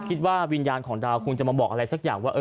คิดว่าวิญญาณของดาวคงจะมาบอกอะไรสักอย่างว่า